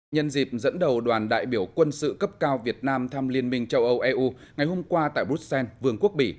nhân dịp dẫn đầu đoàn đại biểu quân sự cấp cao việt nam thăm liên minh châu âu eu ngày hôm qua tại bruxelles vương quốc bỉ